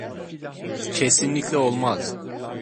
Kesinlikle olmaz.